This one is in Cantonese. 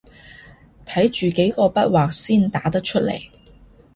睇住幾個筆劃先打得出來